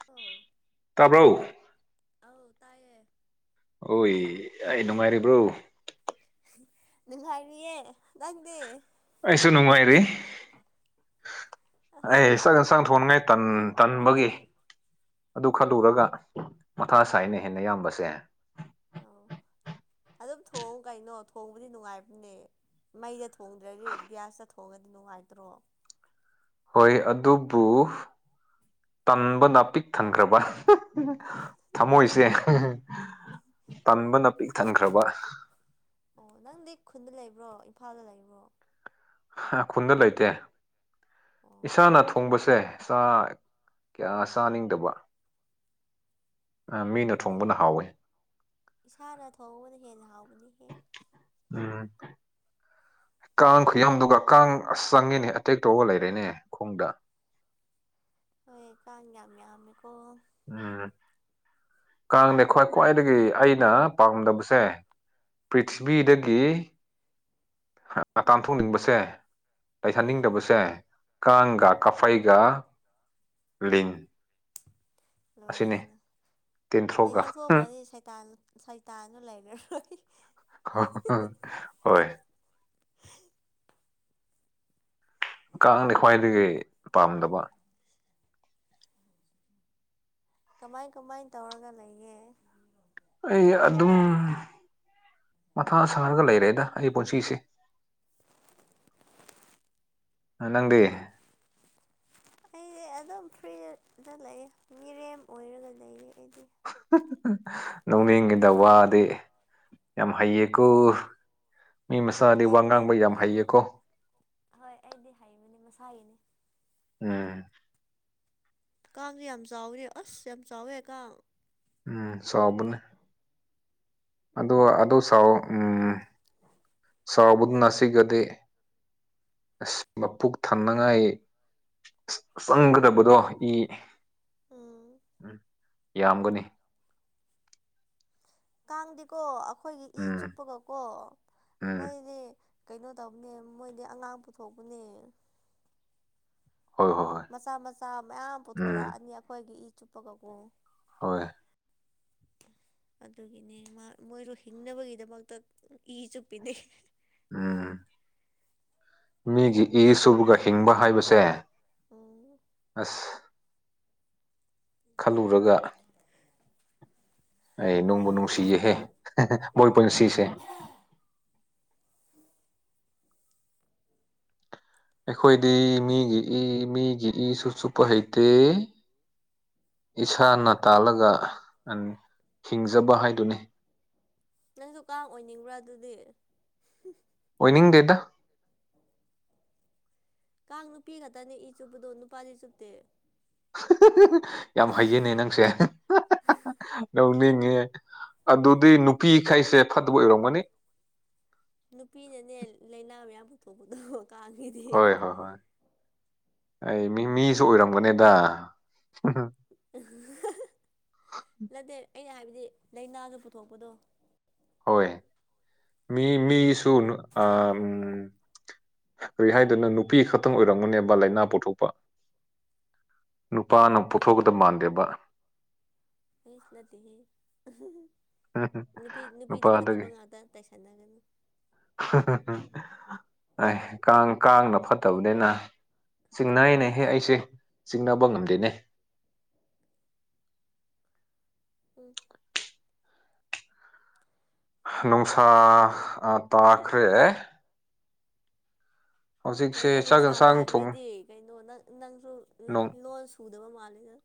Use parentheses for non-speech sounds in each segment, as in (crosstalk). (unintelligible) ꯇꯥꯕ꯭ꯔꯣ ꯑꯧ ꯇꯥꯏꯌꯦ ꯑꯣꯏ ꯑꯩ ꯅꯨꯡꯉꯥꯏꯔꯤꯕ꯭ꯔꯣ ꯅꯨꯡꯉꯥꯏꯔꯤꯌꯦ ꯅꯪꯗꯤ ꯑꯩꯁꯨ ꯅꯨꯡꯉꯥꯏꯔꯤ ꯑꯁ ꯑꯩ ꯆꯥꯛ ꯏꯦꯟꯁꯥꯡ ꯊꯣꯅꯉꯥꯏ ꯇꯟ ꯇꯟꯕꯒꯤ ꯑꯗꯨ ꯈꯜꯂꯨꯔꯒ ꯃꯊꯥ ꯁꯥꯏꯅꯦꯍꯦ ꯅꯌꯥꯝꯕꯁꯦ꯫ ꯑꯧ ꯑꯗꯨꯝ ꯊꯣꯡꯉꯨ ꯀꯩꯅꯣ ꯊꯣꯡꯕꯗꯤ ꯅꯨꯡꯉꯥꯏꯕꯅꯦ ꯃꯩꯗ ꯊꯣꯡꯗ꯭ꯔꯗꯤ ꯒ꯭ꯌꯥꯁꯇ ꯊꯣꯡꯉꯗꯤ ꯅꯨꯡꯉꯥꯏꯇ꯭ꯔꯣ꯫ ꯍꯣꯏ ꯑꯗꯨꯕꯨ ꯇꯟꯕꯄ ꯄꯤꯛ ꯊꯟꯈ꯭ꯔꯕ꯫ ꯊꯃꯣꯏꯁꯦ ꯇꯟꯕꯅ ꯄꯤꯛ ꯊꯟꯈ꯭ꯔꯕ꯫ ꯑꯣ ꯅꯪꯗꯤ ꯈꯨꯟꯗ ꯂꯩꯕ꯭ꯔꯣ ꯏꯝꯐꯥꯜꯗ ꯂꯩꯕ꯭ꯔꯣ꯫ ꯍ ꯈꯨꯟꯗ ꯂꯩꯇꯦ ꯑꯣ ꯏꯁꯥꯅ ꯊꯣꯡꯕꯁꯦ ꯆꯥꯛ ꯀꯌꯥ ꯆꯥꯅꯤꯡꯗꯕ ꯑ ꯃꯤꯅ ꯑꯦ ꯊꯣꯡꯕꯅ ꯍꯥꯎꯋꯦ꯫ ꯏꯁꯥꯅ ꯊꯣꯡꯕꯅ ꯍꯦꯟꯅ ꯍꯥꯎꯕꯅꯦꯍꯦ꯫ ꯎꯝ ꯀꯥꯡ ꯈꯨꯌꯥꯝꯗꯨꯒ ꯀꯥꯡ ꯑꯁ ꯆꯪꯉꯦꯅꯦ ꯑꯦꯇꯦꯛ ꯇꯧꯔꯒ ꯂꯩꯔꯦꯅꯦ ꯈꯣꯡꯗ꯫ ꯍꯣꯏ ꯀꯥꯡ ꯌꯥꯝ ꯌꯥꯝꯃꯦꯀꯣ꯫ ꯎꯝ ꯀꯥꯡꯅꯦ ꯈ꯭ꯋꯥꯏ ꯈ꯭ꯋꯥꯏꯗꯒꯤ ꯑꯩꯅ ꯄꯥꯝꯗꯕꯁꯦ꯫ ꯎꯝ ꯄ꯭ꯔꯤꯊꯤꯕꯤꯗꯒꯤ (inaudible) ꯇꯥꯟꯊꯣꯛꯅꯤꯡꯕꯁꯦ꯫ ꯎꯝ ꯂꯩꯍꯟꯅꯤꯡꯗꯕꯁꯦ ꯀꯥꯡꯒ ꯎꯝ ꯀꯥꯛꯐꯩꯒ ꯂꯤꯟ꯫ ꯑꯁꯤꯅꯤ ꯂꯣꯏꯔꯦꯗꯅ꯫ ꯂꯤꯟ ꯇꯦꯟꯊ꯭ꯔꯣꯛꯒ ꯂꯧꯊꯣꯛꯈ꯭ꯔꯗꯤ ꯁꯩꯇꯥꯟ ꯁꯥꯏꯇꯥꯟꯁꯨ ꯂꯩꯔꯔꯣꯏ꯫ ꯍꯣꯏ꯫ ꯀꯥꯡꯗꯤ ꯈ꯭ꯋꯥꯏꯗꯒꯤ ꯄꯥꯝꯗꯕ꯫ ꯀꯃꯥꯏ ꯀꯃꯥꯏ ꯇꯧꯔꯒ ꯂꯩꯒꯦ꯫ ꯑꯩ ꯑꯗꯨꯝ ꯃꯊꯥ ꯁꯥꯔꯒ ꯂꯩꯔꯦꯗ ꯑꯩ ꯄꯨꯟꯁꯤꯁꯦ꯫ ꯑ ꯅꯪꯗꯤ꯫ ꯑꯩꯗꯤ ꯑꯗꯨꯝ ꯐ꯭ꯔꯤꯗ-ꯗ ꯂꯩꯌꯦ ꯃꯤꯔꯦꯝ ꯑꯣꯏꯔꯒ ꯂꯩꯌꯦ ꯑꯩꯗꯤ꯫ ꯅꯣꯛꯅꯤꯡꯉꯤꯗ ꯋꯥꯗꯤ ꯌꯥꯝ ꯍꯩꯌꯦꯀꯣ꯫ ꯃꯤ ꯎꯝ ꯃꯆꯥꯗꯤ ꯋꯥ ꯍꯩꯕꯅꯦ ꯉꯥꯡꯕ ꯌꯥꯝ ꯍꯩꯌꯦꯀꯣ ꯍꯣꯏ ꯑꯩꯗꯤ ꯍꯩꯕꯅꯦ ꯃꯁꯥꯒꯤꯅꯤ꯫ ꯎꯝ꯫ ꯀꯥꯡꯁꯨ ꯌꯥꯝ ꯆꯥꯎꯌꯤꯅꯦ ꯑꯁ ꯌꯥꯝ ꯆꯥꯎꯋꯦ ꯀꯥꯡ꯫ ꯎꯝ ꯆꯥꯎꯕꯅꯦ꯫ ꯑꯗꯨ ꯑꯗꯨ ꯁꯥꯎ ꯎꯝ ꯁꯥꯎꯕꯗꯨ ꯅꯁꯤꯒꯗꯤ ꯑꯁ ꯃꯄꯨꯛ ꯊꯟꯅꯉꯥꯏ ꯆꯪꯒꯗꯕꯗꯣ ꯏ ꯎꯝ ꯎꯝ ꯌꯥꯝꯒꯅꯤ꯫ ꯀꯥꯡꯗꯤꯀꯣ ꯑꯈꯣꯏꯒꯤ ꯏ ꯎꯝ ꯆꯨꯞꯄꯒꯀꯣ ꯎꯝ ꯃꯣꯏꯗꯤ ꯀꯩꯅꯣ ꯇꯧꯕꯅꯦ ꯃꯣꯏꯗꯤ ꯑꯉꯥꯡ ꯄꯨꯊꯣꯛꯄꯅꯦ꯫ ꯍꯣꯏ ꯍꯣꯏ ꯍꯣꯏ ꯃꯆꯥ ꯃꯆꯥ ꯃꯌꯥꯝ ꯎꯝ ꯄꯨꯊꯣꯔꯛꯑꯅꯤ ꯑꯈꯣꯏꯒꯤ ꯏ ꯆꯨꯞꯄꯒꯀꯣ꯫ ꯍꯣꯏ꯫ ꯑꯗꯨꯒꯤꯅꯦ ꯃꯥ-ꯃꯣꯏꯗꯣ ꯍꯤꯡꯅꯕꯒꯤꯗꯃꯛꯇ ꯏ ꯆꯨꯞꯄꯤꯅꯦ꯫ ꯎꯝ꯫ ꯃꯤꯒꯤ ꯏ ꯁꯨꯕꯒ ꯍꯤꯡꯕ ꯍꯥꯏꯕꯁꯦ ꯎꯝ꯫ ꯑꯁ꯫ ꯈꯜꯂꯨꯔꯒ ꯑꯩ ꯅꯨꯡꯕꯨ ꯅꯨꯡꯁꯤꯌꯦꯍꯦ ꯃꯣꯏ ꯄꯨꯟ ꯁꯤꯁꯦ ꯎꯝ ꯑꯩꯈꯣꯏꯗꯤ ꯈꯪꯗꯦꯗ ꯃꯤꯒꯤ ꯏ ꯃꯤꯒꯤ ꯏꯁꯨꯨ ꯆꯨꯞꯄ ꯍꯩꯇꯦ ꯏꯁꯥꯅ ꯇꯥꯜꯂꯒ ꯎꯝ ꯍꯤꯡꯖꯕ ꯍꯥꯏꯗꯨꯅꯤ ꯅꯪꯁꯨ ꯀꯥꯡ ꯑꯣꯏꯅꯤꯡꯕ꯭ꯔꯥ ꯑꯗꯨꯗꯤ ꯑꯣꯏꯅꯤꯡꯗꯦꯗ (inaudible) ꯀꯥꯡ ꯅꯨꯄꯤ ꯉꯥꯛꯇꯅꯦ ꯏ ꯆꯨꯞꯄꯗꯣ ꯅꯨꯄꯥꯗꯤ ꯆꯨꯞꯇꯦ ꯌꯥꯝ ꯍꯩꯌꯦꯅꯦ ꯅꯪꯁꯦ ꯅꯣꯛꯅꯤꯡꯉꯦ ꯑꯗꯨꯗꯤ ꯅꯨꯄꯤꯈꯩꯁꯦ ꯐꯠꯇꯕ ꯑꯣꯏꯔꯝꯒꯅꯤ ꯅꯨꯄꯤꯅꯅꯦ ꯂꯥꯏꯅꯥ ꯃꯌꯥꯝ ꯄꯨꯊꯣꯛ ꯄꯗꯣ ꯀꯥꯡꯒꯤꯗꯤ ꯍꯣꯏ ꯍꯣꯏ ꯍꯣꯏ ꯑꯩ ꯃꯤ ꯃꯤꯁꯨ ꯑꯣꯏꯔꯝꯒꯅꯤꯗ ꯅꯠꯇꯦ ꯑꯩꯅ ꯍꯥꯏꯕꯗꯤ ꯂꯥꯏꯅꯥꯒ ꯄꯨꯊꯣꯛꯄꯗꯣ ꯍꯣꯏ ꯃꯤ ꯃꯤꯒꯤꯁꯨ ꯑꯥꯝ ꯎꯝ ꯀꯔꯤ ꯍꯥꯏꯗꯣꯏꯅꯣ ꯅꯨꯄꯤ ꯈꯛꯇꯪ ꯑꯣꯏꯔꯝꯒꯅꯦꯕ ꯂꯥꯏꯅꯥ ꯄꯨꯊꯣꯛꯄ ꯅꯨꯄꯥꯅ ꯑꯩꯗꯤ ꯃꯤ ꯄꯨꯊꯣꯛꯀꯗꯕ ꯃꯥꯟꯗꯦꯕ ꯏꯁ ꯅꯠꯇꯦꯍꯦ ꯅꯨꯄꯤ ꯅꯨꯄꯤꯗ ꯐꯠꯇꯕ ꯉꯥꯛꯇꯥ ꯇꯥꯏꯁꯟꯅꯒꯅꯨ ꯑꯦ ꯀꯥꯡ ꯀꯥꯡꯅ ꯐꯠꯇꯕꯅꯤꯅ ꯆꯤꯡꯅꯩꯅꯦꯍꯦ ꯑꯩꯁꯦ ꯆꯤꯡꯅꯕ ꯉꯝꯗꯦꯅꯦ ꯎꯝ ꯅꯨꯡꯁꯥ ꯑꯥ ꯇꯥꯈ꯭ꯔꯦ ꯍꯧꯖꯤꯛꯁꯦ ꯀꯩꯅꯣ ꯆꯥꯛ ꯅꯨꯡꯁꯥ ꯌꯦꯟꯁꯥꯡ ꯊꯣꯡ ꯇꯥꯒ꯭ꯔꯦꯗꯤ ꯀꯩꯅꯣ ꯅꯪ ꯅꯪꯁꯨ ꯅꯣꯡ ꯂꯣꯟ ꯄꯨꯗꯕ ꯃꯥꯂꯦꯗ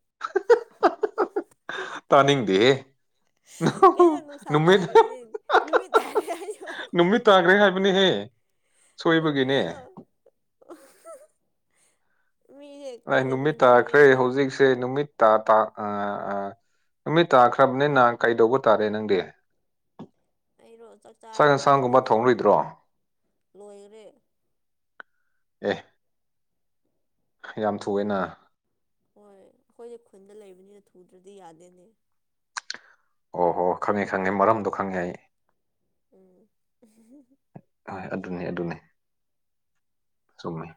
ꯇꯥꯅꯤꯡꯗꯦꯍꯦ ꯀꯩꯩꯅꯣ ꯅꯨꯡꯁꯥ ꯅꯨꯃꯤꯠ ꯇꯥꯒꯔꯦꯗꯤ ꯅꯨꯃꯤꯠ ꯇꯥꯔꯦ ꯍꯥꯏꯌꯣ ꯇꯥꯒ꯭ꯔꯦ ꯍꯥꯏꯕꯅꯤꯍꯦ ꯏ ꯁꯣꯏꯕꯒꯤꯅꯦ ꯀꯩꯅꯣ ꯃꯤꯌꯦ ꯀꯨꯏꯅ ꯀꯨꯏꯅ ꯍꯤꯡꯉꯗꯤ ꯇꯦ ꯅꯨꯃꯤꯠ ꯇꯥ ꯇꯥ ꯑꯥ ꯑꯥ ꯅꯨꯃꯤꯠ ꯇꯥꯈ꯭ꯔꯥꯕꯅꯤꯅ ꯀꯩꯗꯧꯕ ꯇꯥꯔꯦ ꯅꯪꯗꯤ ꯑꯩꯔꯣ ꯆꯥꯛ ꯆꯥꯔꯒ ꯑꯃꯨꯛ ꯌꯦꯟꯁꯥꯡꯒꯨꯝꯕ ꯇꯨꯝꯃꯅꯤ ꯊꯣꯡꯔꯣꯏꯗ꯭ꯔꯣ ꯑꯦ ꯂꯣꯏꯔꯦ ꯑꯦ ꯌꯥꯝ ꯊꯨꯋꯦꯅ ꯍꯣꯏ ꯑꯈꯣꯏꯗꯤ ꯈꯨꯟꯗ ꯂꯩꯕꯅꯤꯅ ꯊꯨꯗ꯭ꯔꯥꯗꯤ ꯌꯥꯗꯦꯅꯦ ꯑꯣ ꯍꯣ ꯈꯪꯉꯦ ꯈꯪꯉꯦ ꯃꯔꯝꯗꯣ ꯈꯪꯉꯦ ꯑꯩ ꯎꯝ ꯑꯍꯣꯏ ꯑꯗꯨꯅꯦ ꯑꯗꯨꯅꯦ ꯆꯨꯝꯃꯤ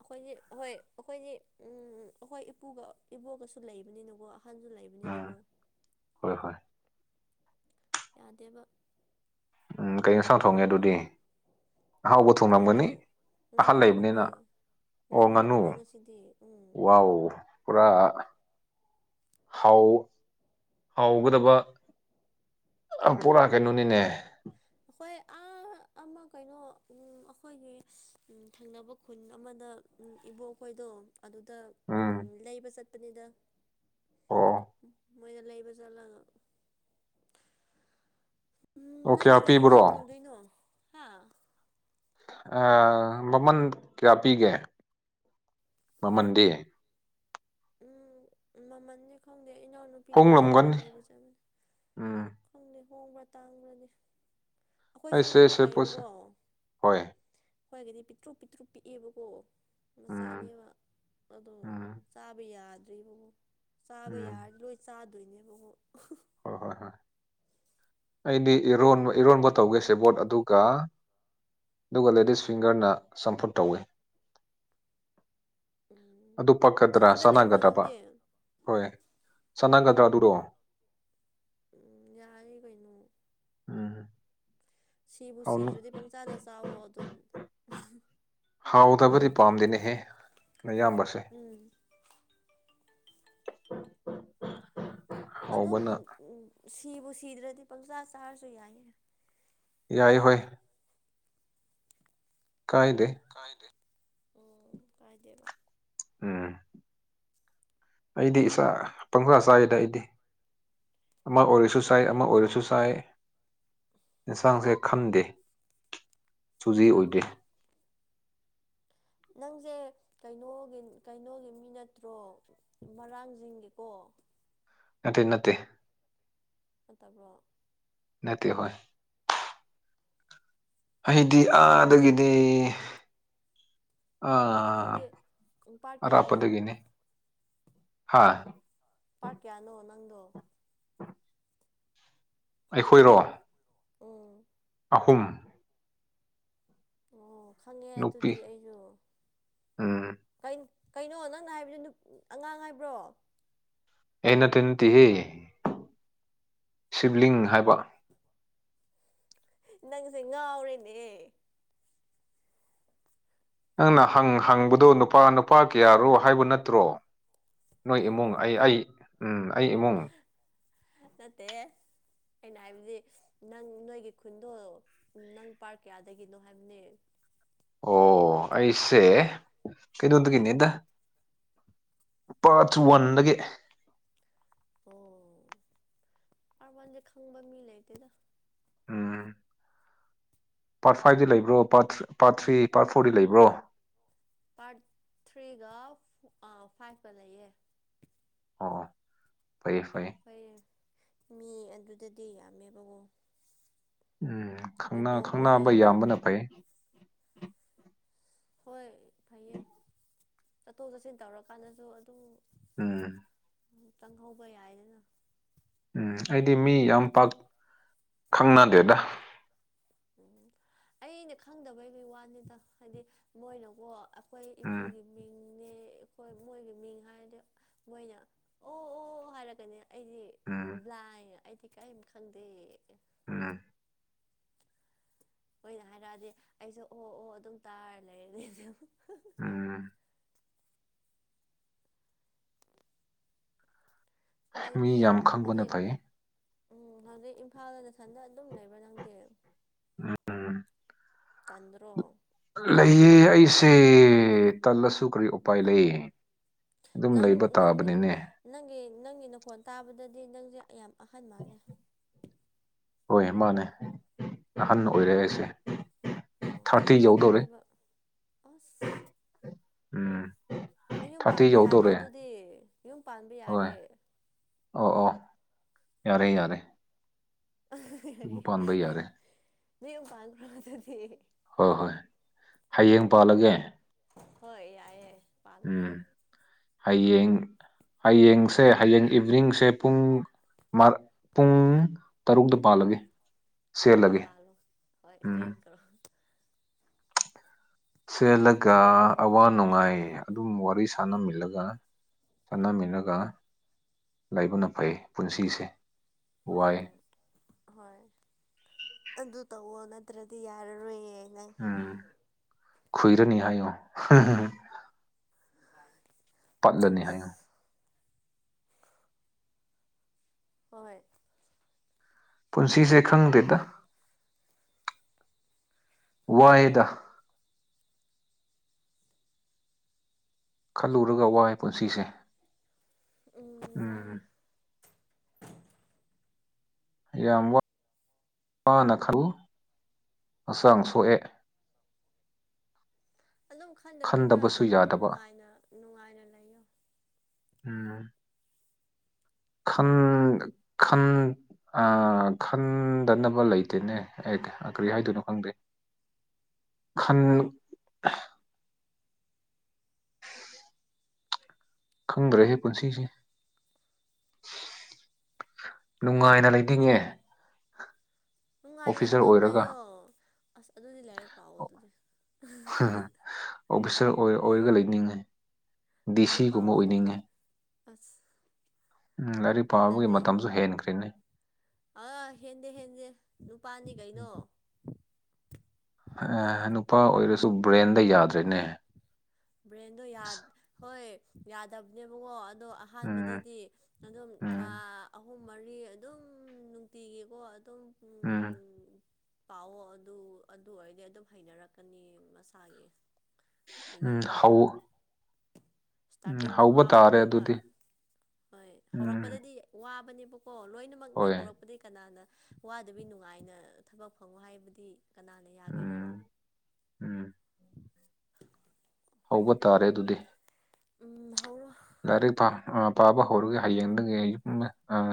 ꯑꯈꯣꯏꯗꯤ ꯍꯣꯏ ꯑꯈꯣꯏꯗꯤ ꯎꯝ ꯑꯈꯣꯏ ꯏꯄꯨꯒ ꯏꯕꯣꯒꯁꯨ ꯂꯩꯕꯅꯤꯅꯀꯣ ꯑꯍꯟꯖꯨ ꯂꯩ ꯎꯝ ꯕꯅꯤꯅꯒꯣ ꯍꯣꯏ ꯍꯣꯏ ꯌꯥꯗꯦꯕ ꯎꯝ ꯀꯩ ꯑꯦꯟꯁꯥꯡ ꯊꯣꯡꯉꯦ ꯑꯗꯨꯗꯤ ꯎꯝ ꯑꯍꯥꯎꯕ ꯉꯥꯅꯨ ꯊꯣꯡꯂꯝꯒꯥꯅꯤ ꯑꯍꯜ ꯉꯥꯅꯨ ꯂꯩꯕꯅꯤꯅ ꯊꯣꯡꯉꯦ ꯑꯣ ꯉꯥꯅꯨ ꯊꯣꯡꯉꯦ ꯉꯁꯤꯗꯤ ꯎꯝ ꯋꯥꯎ ꯄꯨꯔꯥ ꯍꯥꯎ ꯍꯥꯎꯒꯗꯕ ꯑ ꯄꯣꯔꯥ ꯀꯩꯅꯣꯅꯤꯅꯦ ꯑꯩꯈꯣꯏ ꯑꯥ ꯑꯃ ꯀꯩꯅꯣ ꯑꯩꯈꯣꯏꯒꯤ ꯊꯪꯅꯕ ꯈꯨꯟ ꯑꯃꯗ ꯏꯕꯣꯛ ꯈꯣꯏꯗꯣ ꯑꯗꯨꯗ ꯎꯝ ꯂꯩꯕ ꯆꯠꯄꯅꯤꯗ ꯑꯣ ꯃꯣꯏꯅ ꯂꯩꯕ ꯆꯠꯂꯒ ꯎꯝ ꯑꯣ ꯀꯌꯥ ꯅꯪꯗꯤ ꯀꯩ ꯄꯤꯕ꯭ꯔꯣ ꯌꯦꯟꯖꯥꯡ ꯊꯣꯡꯗꯣꯏꯅꯣ ꯍꯥ ꯃꯃꯜ ꯀꯌꯥ ꯄꯤꯒꯦ ꯃꯃꯜꯗꯤ ꯎꯝ ꯃꯃꯜꯁꯦ ꯈꯪꯗꯦ ꯏꯅꯥꯎꯅꯨꯄꯤꯒ ꯏꯆꯦꯒ ꯍꯣꯡꯂꯝꯒꯅꯤ ꯂꯩꯕ ꯆꯠꯃꯤꯅꯦ ꯎꯝ ꯈꯪꯗꯦ ꯍꯣꯡꯕ꯭ꯔꯥ ꯇꯥꯡꯕ꯭ꯔꯅꯦ ꯑꯩꯈꯣꯏꯁꯨ ꯑꯩꯁꯦ ꯉꯥꯅꯨ ꯁꯦ ꯄꯣꯠꯁꯦ ꯂꯩꯌꯦꯕꯀꯣ ꯍꯣꯏ ꯑꯩꯈꯣꯏꯗ ꯄꯤꯛꯇ꯭ꯔꯨꯛ ꯄꯤꯛꯇ꯭ꯔꯨ ꯄꯤꯛꯑꯕꯀꯣ ꯎꯝ ꯃꯆꯥꯅꯦꯕ ꯑꯗꯣ ꯎꯝ ꯆꯥꯕ ꯌꯥꯗ꯭ꯔꯤꯕꯕꯨ ꯆꯥꯕ ꯎꯝ ꯌꯥꯔꯗꯤ ꯂꯣꯏ ꯆꯥꯗꯣꯏꯅꯦꯕꯀꯣ ꯍꯣꯏ ꯍꯣꯏ ꯍꯣꯏ ꯑꯩꯗꯤ ꯏꯔꯣꯟꯕ ꯏꯔꯣꯟꯕ ꯇꯧꯒꯦ ꯁꯦꯕꯣꯠ ꯑꯗꯨꯒ ꯑꯗꯨꯒ ꯂꯦꯗꯤꯁ ꯐꯤꯡꯒꯔꯅ ꯆꯝꯐꯨꯠ ꯇꯧꯏ ꯎꯝ ꯑꯗꯨ ꯄꯛꯀꯗ꯭ꯔꯥ ꯅꯊꯟꯗ ꯂꯩꯕ꯭ꯔꯣ ꯆꯥꯟꯅꯒꯗ꯭ꯔꯕ ꯅꯪꯗꯤ ꯍꯣꯏ ꯆꯥꯟꯅꯒꯗ꯭ꯔꯥꯗꯨꯔꯣ ꯎꯝ ꯌꯥꯔꯦ ꯀꯩꯅꯣ ꯎꯝ ꯁꯤꯕꯨ ꯁꯤꯗ꯭ꯔꯗꯤ ꯄꯪꯆꯥꯗ ꯆꯥꯋꯣ ꯑꯗꯨꯝ ꯍꯥꯎꯗꯕꯗꯤ ꯄꯥꯝꯗꯦꯅꯦꯍꯦ ꯅꯌꯥꯝꯕꯁꯦ ꯎꯝ ꯑꯗꯨꯝ ꯍꯥꯎꯕꯅ ꯁꯤꯕꯨ ꯁꯤꯗ꯭ꯔꯗꯤ ꯄꯪꯆꯥꯥ ꯆꯥꯔꯁꯨ ꯌꯥꯏꯌꯦ ꯌꯥꯏ ꯍꯣꯏ ꯀꯥꯏꯗꯦ ꯀꯥꯏꯗ ꯑꯣ ꯀꯥꯏꯗꯦꯕ ꯎꯝ ꯑꯩꯗꯤ ꯏꯥ ꯄꯪꯆꯥ ꯆꯥꯏꯒꯗ ꯑꯩꯗꯤ ꯑꯃ ꯑꯣꯏꯔꯁꯨ ꯁꯥꯏ ꯑꯃ ꯑꯣꯏꯔꯁꯨ ꯁꯥꯏ ꯑꯦꯟꯁꯥꯡꯁꯦ ꯈꯝꯗꯦ ꯁꯨꯖꯤ ꯑꯣꯏꯗꯦ ꯅꯪꯁꯦ ꯀꯩꯅꯣꯒꯤ ꯀꯩꯅꯣꯒꯤ ꯃꯤ ꯅꯠꯇ꯭ꯔꯣ ꯃꯔꯥꯡꯁꯤꯡꯒꯤꯀꯣ ꯅꯠꯇꯦ ꯅꯠꯇꯦ ꯅꯠꯇꯕ꯭ꯔꯣ ꯅꯠꯇꯦ ꯍꯣꯏ ꯑꯩꯗꯤ ꯑꯥꯗꯒꯤꯅꯦ ꯑꯥ ꯅꯪꯗꯤ ꯄꯥꯔꯠ ꯀꯌꯥꯅꯣ ꯑꯔꯥꯄꯗꯒꯅꯦ ꯍꯥ ꯄꯥꯔꯠ ꯀꯌꯥꯅꯣ ꯅꯪꯗꯣ ꯎ (unintelligible) ꯑꯩꯈꯣꯏꯔꯣ ꯎꯝ ꯑꯍꯨꯝ ꯑꯣ ꯈꯪꯉꯦ ꯅꯨꯄꯤ ꯑꯗꯨꯗꯤ ꯑꯩꯁꯨ ꯎꯝ ꯀ ꯀꯩꯅꯣ ꯅꯪꯅ ꯍꯥꯏꯕꯗꯨ ꯑꯉꯥꯡ ꯍꯥꯏꯕ꯭ꯔꯣ ꯑꯦ ꯅꯇꯦꯟ ꯇꯤꯍꯤ ꯁꯤꯕꯂꯤꯡ ꯍꯥꯏꯕ ꯅꯪꯁꯦ ꯉꯥꯎꯔꯦꯅꯦ ꯅꯪꯅ ꯍꯪ ꯍꯪꯕꯗꯨ ꯅꯨꯄꯥ ꯅꯨꯄꯥ ꯀꯌꯥꯔꯣ ꯍꯥꯏꯕ ꯅꯠꯇ꯭ꯔꯣ ꯅꯣꯏ ꯏꯃꯨꯡ ꯑꯩ ꯑꯩ ꯎꯝ ꯑꯩ ꯏꯃꯨꯡ ꯅꯠꯇꯦ ꯑꯩꯅ ꯍꯥꯏꯕꯗꯤ ꯅꯪ ꯅꯣꯏꯒꯤ ꯈꯨꯟꯗꯣ ꯅꯪ ꯄꯥꯔꯠ ꯀꯌꯥꯗꯒꯤꯅꯣ ꯍꯥꯏꯕꯅꯦ ꯑꯣ ꯑꯩꯁꯦ ꯀꯩꯅꯣꯗꯒꯤꯅꯦꯗ ꯄꯥꯔꯠ ꯋꯥꯟꯗꯒꯤ ꯑꯣ ꯄꯥꯔꯠ ꯋꯥꯟꯗꯤ ꯈꯪꯕ ꯃꯤ ꯂꯩꯇꯦꯗ ꯎꯝ ꯄꯥꯔꯠ ꯐꯥꯏꯚꯗꯤ ꯂꯩꯕ꯭ꯔꯣ ꯄꯥꯔꯠ ꯄꯥꯔꯠ ꯊ꯭ꯔꯤ ꯄꯥꯔꯠ ꯐꯣꯔꯗꯤ ꯂꯩꯕ꯭ꯔꯣ ꯄꯥꯔꯠ ꯊ꯭ꯔꯤꯒ ꯑꯥ ꯐꯥꯏꯚꯀ ꯂꯩꯌꯦ ꯑꯣ ꯐꯩꯌꯦ ꯐꯩꯌꯦ ꯐꯩꯌꯦ ꯃꯤ ꯑꯗꯨꯗꯗꯤ ꯌꯥꯝꯃꯦꯕꯀꯣ ꯎꯝ ꯈꯪꯅꯥ ꯏꯕꯣꯛꯈꯣꯏ ꯈꯪꯅꯥꯕ ꯌꯥꯝꯕꯅ ꯐꯩ ꯍꯣꯏ ꯐꯩꯌꯦ ꯆꯠꯊꯣꯛ ꯆꯠꯁꯤꯟ ꯇꯧꯔꯀꯥꯟꯗꯁꯨ ꯑꯗꯨꯝ ꯎꯝ ꯎꯝ ꯆꯪꯍꯧꯕ ꯌꯥꯏꯗꯅ ꯎꯝ ꯑꯩꯗꯤ ꯃꯤ ꯌꯥꯝ ꯄꯥꯛ ꯈꯪꯅꯗꯦꯗ ꯎꯝ ꯑꯩꯅ ꯈꯪꯗꯕꯩꯗꯤ ꯋꯥꯅꯤꯗ ꯍꯥꯏꯗꯤ ꯃꯣꯏꯅꯀꯣ ꯑꯩꯈꯣꯏ ꯎꯝ ꯏꯄꯨꯒꯤ ꯃꯤꯡ ꯅꯦ ꯑꯩꯈꯣꯏ ꯃꯣꯏꯒꯤ ꯃꯤꯡ ꯍꯥꯏꯔꯗꯤ ꯃꯣꯏꯅ ꯑꯣ ꯑꯣ ꯍꯥꯏꯔꯒꯅꯦ ꯑꯩꯗꯤ ꯎꯝ ꯕ꯭ꯂꯥꯏꯟ ꯑꯩꯗꯤ ꯀꯩꯝ ꯈꯪꯗꯦ ꯎꯝ ꯑꯣꯏꯅ ꯍꯥꯏꯔꯛꯑꯗꯤ ꯑꯩꯁꯨ ꯑꯣ ꯑꯣ ꯑꯗꯨꯝ ꯇꯥꯔ ꯂꯩꯔꯅꯤ ꯑꯗꯨꯝ ꯎꯝ ꯃꯤ ꯅꯪꯗꯤ ꯌꯥꯝ ꯈꯪꯕꯅ ꯍꯧꯖꯤꯛ ꯐꯩ ꯎꯝ ꯍꯧꯖꯤꯛ ꯏꯝꯐꯥꯜꯗ ꯅꯊꯟꯇꯥ ꯑꯗꯨꯝ ꯂꯩꯕ꯭ꯔꯥ ꯅꯪꯗꯤ ꯎꯝ ꯇꯟꯗ꯭ꯔꯣ ꯂꯩ ꯑꯩꯁꯦ ꯇꯜꯂꯁꯨ ꯀꯔꯤ ꯎꯄꯥꯏ ꯂꯩ ꯑꯗꯨꯝ ꯅꯪ ꯂꯩꯕ ꯅꯪ ꯇꯥꯕꯅꯤꯅꯦ ꯅꯪꯒꯤ ꯅꯪꯒꯤ ꯅꯈꯣꯟ ꯇꯥꯕꯗꯗꯤ ꯅꯪꯖꯦ ꯌꯥꯝ ꯑꯍꯟ ꯃꯥꯜꯂꯦ ꯍꯣꯏ ꯃꯥꯅꯦ ꯑꯍꯟ ꯑꯣꯏꯔꯦ ꯑꯩꯁꯦ ꯑꯣ ꯊꯥꯔꯇꯤ ꯌꯧꯗꯧꯔꯦ ꯍꯅꯨꯔꯝꯃꯅꯤꯕ ꯑꯁ ꯎꯝ ꯅꯌꯨꯝ ꯊꯥꯔꯇꯤ ꯄꯥꯟꯕ ꯌꯥꯔꯦ ꯌꯧꯗꯧꯔꯦ ꯑꯗꯨꯗꯤ ꯌꯨꯝ ꯄꯥꯟꯕ ꯍꯣꯏ ꯌꯥꯔꯦ ꯑꯣ ꯑꯣ ꯌꯥꯔꯦ ꯌꯥꯔꯦ ꯑꯗꯨꯝ ꯄꯥꯟꯕ ꯌꯥꯔꯦ ꯅꯌꯨꯝ ꯄꯥꯟꯈ꯭ꯔꯣ ꯑꯗꯨꯗꯤ ꯍꯣꯏ ꯍꯣꯏ ꯍꯌꯦꯡ ꯄꯥꯜꯂꯒꯦ ꯍꯣꯏ ꯌꯥꯏꯌꯦ ꯄꯥꯜꯂꯣ ꯎꯝ ꯍꯌꯦꯡ ꯍꯌꯦꯡꯁꯦ ꯍꯌꯦꯡ ꯏꯚꯤꯅꯤꯡꯁꯦ ꯄꯨꯡ (unintelligible) ꯄꯨꯡ ꯇꯔꯨꯛꯇ ꯄꯥꯜꯂꯒꯦ ꯎꯝ ꯁꯦꯠꯂꯒꯦ ꯄꯥꯜꯂꯣ ꯍꯣꯏ ꯎꯝ ꯆꯦꯟꯈ꯭ꯔꯣ ꯆꯦꯜꯂꯒ ꯑꯋꯥ ꯅꯨꯡꯉꯥꯏ ꯑꯗꯨꯝ ꯋꯥꯔꯤ ꯁꯥꯟꯅꯃꯤꯜꯂꯒ ꯆꯠꯅꯃꯤꯟꯅꯒ ꯂꯩꯕꯅ ꯐꯩ ꯄꯨꯟꯁꯤꯁꯦ ꯋꯥꯏ ꯎꯝ ꯍꯣꯏ ꯑꯗꯨ ꯇꯧꯋꯣ ꯅꯠꯇ꯭ꯔꯗꯤ ꯌꯥꯔꯔꯣꯏꯌꯦ ꯅꯪ ꯎꯝ ꯈꯨꯏꯔꯅꯤ ꯍꯥꯏꯌꯣ (unintelligible) ꯄꯠꯂꯅꯤ ꯑꯁ ꯍꯥꯏꯌꯨ꯫ ꯍꯣꯏ꯫ ꯄꯨꯟꯁꯤꯁꯦ ꯈꯪꯗꯦꯗ꯫ ꯋꯥꯏꯗ꯫ ꯈꯜꯂꯨꯔꯒ ꯋꯥꯏ ꯄꯨꯟꯁꯤꯁꯦ꯫ ꯎꯝ ꯎꯝ ꯋꯥꯏꯌꯦ꯫ ꯌꯥꯝ ꯋꯥ (inaudible) ꯋꯥꯅ ꯈ (inaudible) ꯁꯨ ꯍꯛꯆꯥꯡ ꯁꯣꯛꯑꯦ꯫ ꯑꯗꯨꯝ ꯈꯟꯗꯕꯤꯗ ꯈꯟꯗꯕꯁꯨ ꯑꯗꯨꯝ ꯌꯥꯗꯕ ꯅꯨꯡꯉꯥꯏꯅ ꯅꯨꯡꯉꯥꯏꯅ ꯂꯩꯌꯣ꯫ ꯎꯝ꯫ ꯈꯟ ꯈꯟ ꯑ ꯈꯟ ꯗꯅꯕ ꯂꯩꯇꯦꯅꯦ ꯑꯦꯠ ꯑ ꯀꯔꯤ ꯍꯥꯏꯗꯣꯏꯅꯣ ꯈꯪꯗꯦ꯫ ꯈꯟ ꯈꯪꯗ꯭ꯔꯦꯍꯦ ꯄꯨꯟꯁꯤꯁꯦ꯫ ꯅꯨꯡꯉꯥꯏꯅ ꯂꯩꯅꯤꯡꯉꯦ꯫ ꯅꯨꯡꯉꯥꯏꯅ ꯑꯣꯐꯤꯁꯥꯔ ꯑꯗꯨꯝ ꯑꯣꯏꯔꯒ ꯂꯩꯌꯣ ꯑꯁ ꯑꯗꯨꯗꯤ ꯂꯥꯏꯔꯤꯛ ꯄꯥꯋꯣ ꯑꯗꯨꯗꯤ꯫ ꯑꯣꯐꯤꯁꯔ ꯑꯣꯏ ꯑꯣꯏꯔꯒ ꯂꯩꯅꯤꯡꯉꯦ ꯗꯤ ꯂꯥꯏꯔꯤꯛ ꯁꯤꯒꯨꯝꯕ ꯄꯥꯎꯑꯣ ꯑꯗꯨꯗꯤ ꯑꯣꯏꯅꯤꯡꯉꯦ꯫ ꯑꯁ꯫ ꯎꯝ ꯂꯥꯏꯔꯤꯛ ꯄꯥꯕꯒꯤ ꯑꯗꯨꯗꯤ ꯃꯇꯝꯁꯨ ꯍꯦꯟꯈ꯭ꯔꯦꯅꯦ꯫ ꯑꯥ ꯍꯦꯟꯗꯦ ꯍꯦꯟꯗꯦ ꯅꯨꯄꯥꯅꯤ ꯀꯩꯅꯣ꯫ ꯍ ꯅꯨꯄꯥ ꯑꯣꯏꯔꯁꯨ ꯕ꯭ꯔꯦꯟꯗ ꯌꯥꯗ꯭ꯔꯦꯅꯦ꯫ ꯕ꯭ꯔꯦꯟꯗꯣ ꯌ꯭ꯥꯗ ꯍꯣꯏ ꯌꯥꯗꯕꯅꯦꯕꯀꯣ ꯑꯗꯣ ꯎꯝ ꯑꯍꯥꯟꯕꯗꯗꯤ ꯑꯗꯨꯝ ꯎꯝ ꯊꯥ ꯑꯍꯨꯝ ꯃꯔꯤ ꯑꯗꯨꯝ ꯅꯨꯡꯇꯤꯒꯤꯀꯣ ꯑꯗꯨꯝ ꯎꯝ꯫ ꯄꯥꯋꯣ ꯑꯗꯨ ꯑꯗꯨ ꯑꯣꯏꯗꯤ ꯑꯗꯨꯝ ꯍꯩꯅꯔꯛꯀꯅꯤ ꯃꯁꯥꯒꯤ꯫ ꯎꯝ ꯍꯩꯅꯕꯅꯦ ꯍꯧ ꯎꯝ ꯏꯁꯇꯥꯔꯇꯤꯡꯗ ꯍꯧꯕ ꯇꯥꯔꯦ ꯋꯥꯕꯅꯦꯕ꯫ ꯑꯗꯨꯗꯤ ꯍꯣꯏ ꯎꯝ ꯍꯧꯔꯛꯄꯗꯗꯤ ꯋꯥꯕꯅꯦꯕꯀꯣ ꯂꯣꯏꯅꯃꯛꯅꯦ ꯍꯣꯏ ꯍꯧꯔꯛ ꯄꯗꯤ ꯀꯅꯥꯅ ꯋꯥꯗꯕꯤ ꯅꯨꯡꯉꯥꯏꯅ ꯊꯕꯛ ꯐꯪꯉꯣ ꯍꯥꯏꯕꯗꯤ ꯀꯅꯥꯅ ꯌꯥꯒꯦꯔꯣ꯫ ꯎꯝ ꯎꯝ꯫ ꯍꯧꯕ ꯇꯥꯔꯦ ꯑꯗꯨꯗꯤ꯫ ꯎꯝ ꯍꯧꯔꯣ꯫ ꯂꯥꯏꯔꯤꯛ ꯄꯥ ꯑ ꯄꯥꯕ ꯍꯧꯔꯒꯦ ꯍꯌꯦꯡꯗꯒꯤ ꯑꯩ ꯎꯝꯃ ꯑ